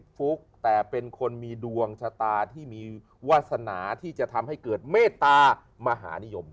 ฟุ๊กแต่เป็นคนมีดวงชะตาที่มีวาสนาที่จะทำให้เกิดเมตตามหานิยม